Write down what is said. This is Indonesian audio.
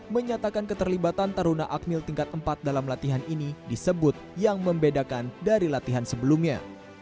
menyatakan keterlibatan taruna akmil tingkat empat dalam latihan ini disebut yang membedakan dari latihan sebelumnya